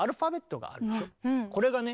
これがね